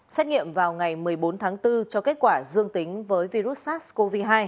xét nghiệm vào ngày một mươi bốn tháng bốn cho kết quả dương tính với virus sars cov hai